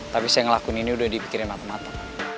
tapi saya ngelakuin ini udah dipikirin mata mata